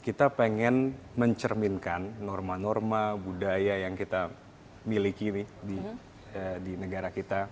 kita pengen mencerminkan norma norma budaya yang kita miliki di negara kita